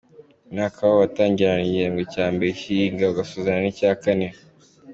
Umwaka wabo watangiranaga n’igihembwe cya mbere cy’ihinga ugasozanya n’icya kane.